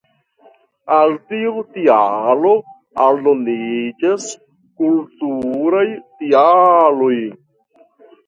Al tiu tialo aldoniĝas kulturaj tialoj.